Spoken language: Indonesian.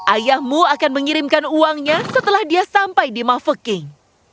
ayahmu akan mengirimkan uangnya setelah dia sampai di mafeking